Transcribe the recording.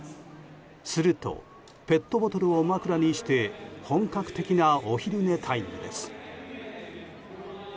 すると、ペットボトルを枕にして本格的なお昼寝タイムです。